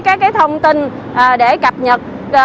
các thông tin để cập nhật